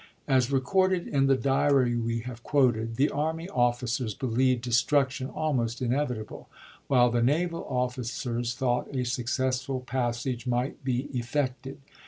As recorded in the diary we have quoted, the army officers believed destruction almost inevitable, while the naval officers thought a successful passage might be effected.